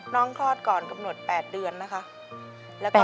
คลอดก่อนกำหนด๘เดือนนะคะ